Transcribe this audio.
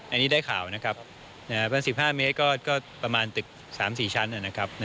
อันนี้ได้ข่าว๑๕เมตรก็ประมาณตึก๓๔ชั้น